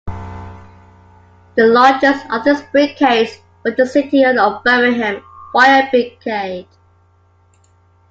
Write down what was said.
The largest of these brigades was the City of Birmingham Fire Brigade.